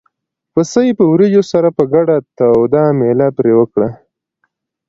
پسه یې په وریجو سره په ګډه توده مېله پرې وکړه.